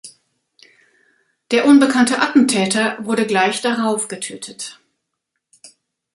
Der unbekannte Attentäter wurde gleich darauf getötet.